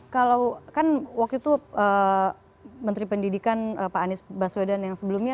kalau kan waktu itu menteri pendidikan pak anies baswedan yang sebelumnya